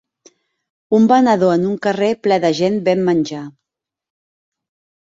Un venedor en un carrer ple de gent ven menjar.